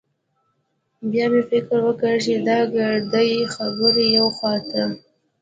بيا مې فکر وکړ چې دا ګردې خبرې يوې خوا ته.